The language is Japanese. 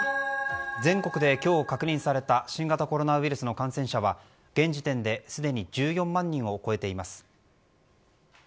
全国で今日、確認された新型コロナウイルスの感染者は現時点ですでに１４万人を超えています。